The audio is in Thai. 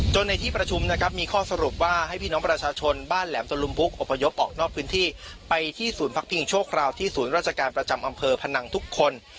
ในที่ประชุมนะครับมีข้อสรุปว่าให้พี่น้องประชาชนบ้านแหลมตะลุมพุกอพยพออกนอกพื้นที่ไปที่ศูนย์พักพิงชั่วคราวที่ศูนย์ราชการประจำอำเภอพนังทุกคน